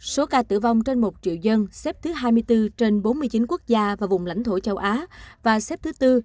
số ca tử vong trên một triệu dân xếp thứ hai mươi bốn trên bốn mươi chín quốc gia và vùng lãnh thổ châu á và xếp thứ tư